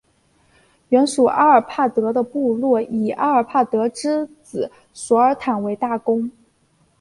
原属阿尔帕德的部落以阿尔帕德之子索尔坦为大公。